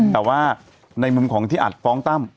แต่ว่าในมุมของที่อัดฟ้องตั้ม